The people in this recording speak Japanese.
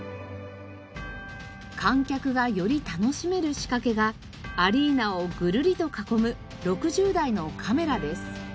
観客がより楽しめる仕掛けがアリーナをぐるりと囲む６０台のカメラです。